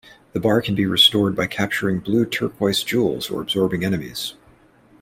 The bar can be restored by capturing blue turquoise jewels or absorbing enemies.